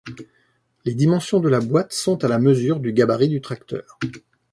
Les dimensions de la boîte sont à la mesure du gabarit du tracteur.